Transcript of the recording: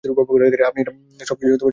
আপনি না সবকিছুর সংযোগ বিচ্ছিন্ন করেছেন?